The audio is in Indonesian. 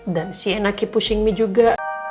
dan si enak keep pushing me juga